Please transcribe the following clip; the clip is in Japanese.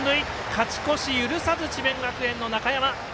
勝ち越し許さず、智弁学園の中山。